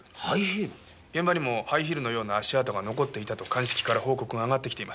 現場にもハイヒールのような足跡が残っていたと鑑識から報告があがってきています。